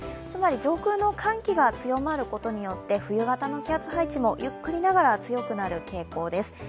つまり上空の寒気が強まることによって冬型の気圧配置もゆっくりながら強くなる傾向です。